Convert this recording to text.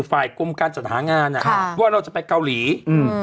กรมการจัดหางานอ่ะค่ะว่าเราจะไปเกาหลีอืม